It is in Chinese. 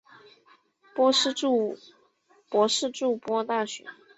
博士筑波大学。